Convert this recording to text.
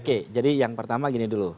oke jadi yang pertama gini dulu